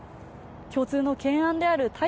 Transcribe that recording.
共通の懸案である対